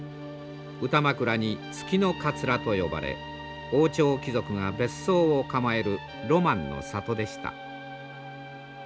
歌枕に「月の桂」と呼ばれ王朝貴族が別荘を構えるロマンの里でした。